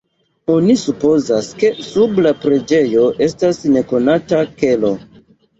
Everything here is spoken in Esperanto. Oni supozas, ke sub la preĝejo estas nekonata kelo.